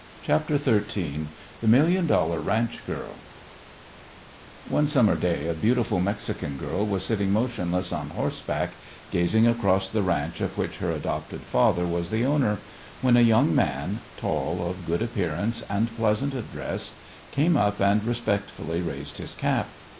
CHAPTER XIII THE MILLION DOLLAR RANCH GIRL One summer day a beautiful Mexican girl was sitting motionless on horseback gazing across the ranch of which her adopted father was the owner, when a young man, tall, of good appearance, and pleasant address, came up and respectfully raised his cap.